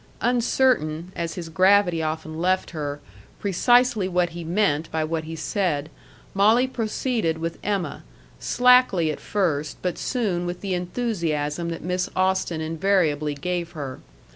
Uncertain as his gravity often left her precisely what he meant by what he said, Molly proceeded with EMMA, slackly at first, but soon with the enthusiasm that Miss Austen invariably gave her.